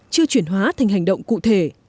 chưa chuyển hóa thành hành động cụ thể